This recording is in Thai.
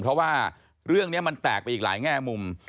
เพราะว่าเรื่องนี้มันแตกไปอีกหลายแง่มุม